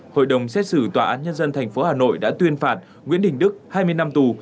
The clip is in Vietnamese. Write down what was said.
hội đồng xét xử tòa án nhân dân tp hà nội đã tuyên phạt nguyễn đình đức hai mươi năm tù